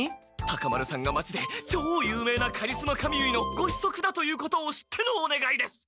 タカ丸さんが町で超有名なカリスマ髪結いのご子息だいうことを知ってのおねがいです！